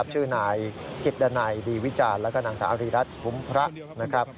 ชื่อหน่ายกิตนัยดีวิจารณ์แล้วก็หนังสารีรัฐบุมพระ